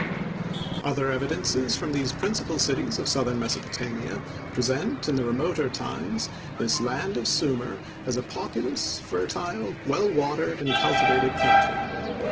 Other evidences from these principal cities of southern Mesopotamia, present, in the remoter times, this land of Sumir as a populous, fertile, well watered and cultivated country.